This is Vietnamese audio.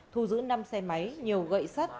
thu giữ năm xe máy nhiều gậy sắt